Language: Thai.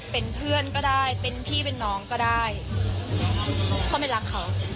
เป็นเพื่อนก็ได้เป็นพี่เป็นน้องก็ได้เขาไม่รักเขา